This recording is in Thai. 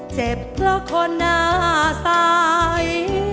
เจ็บเพราะคนหน้าใส